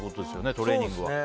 トレーニングは。